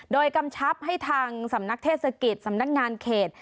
โดยกำชับให้ทางสำนักเทศกิจสำนักงานเขต